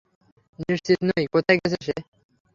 নিশ্চিত নই কোথায় গেছে সে।